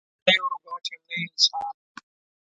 زه یو روباټ یم نه انسان